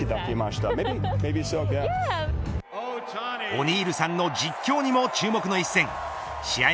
オニールさんの実況にも注目の一戦試合